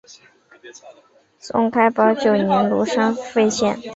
宋开宝九年罗山县废。